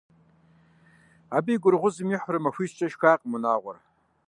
Абы и гурыгъузым ихьурэ, махуищкӀэ шхакъым унагъуэр.